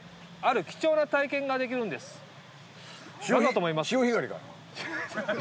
ここで何だと思います？